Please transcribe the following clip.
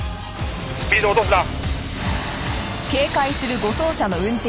「スピードを落とすな」